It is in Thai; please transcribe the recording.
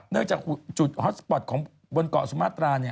จากจุดฮอตสปอร์ตของบนเกาะสุมาตรา